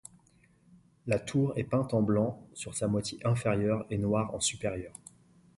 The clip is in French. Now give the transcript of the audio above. La tour est peinte en blanc sur sa moitié inférieure et noire en supérieur.